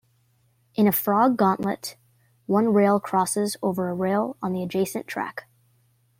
In a frog gauntlet, one rail crosses over a rail on the adjacent track.